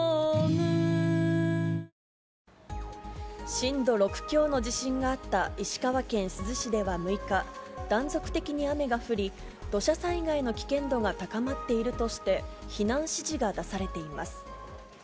震度６強の地震があった石川県珠洲市では６日、断続的に雨が降り、土砂災害の危険度が高まっているとして、避難指示が出されています。